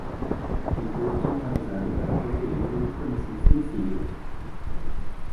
Encryption é usada para proteger informações sensíveis.